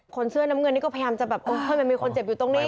เสื้อน้ำเงินนี่ก็พยายามจะแบบเออมันมีคนเจ็บอยู่ตรงนี้